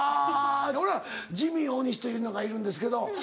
俺はジミー大西というのがいるんですけど。